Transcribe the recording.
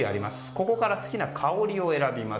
ここから好きな香りを選びます。